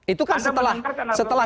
itu kan setelah